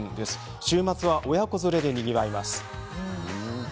週末は親子連れで、にぎわいます。